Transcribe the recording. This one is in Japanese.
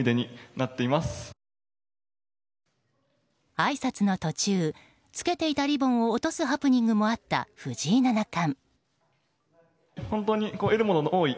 あいさつの途中つけていたリボンを落とすハプニングもあった藤井七冠。